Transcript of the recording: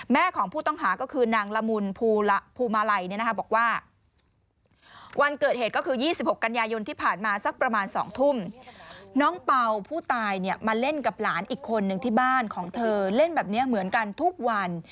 แม่ของผู้ต้องหาก็คือนางละมุนภูมาลัยบอกว่า